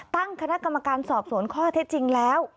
ตั้งคณะกรรมการสอบสวนข้อเท็จจริงแล้ว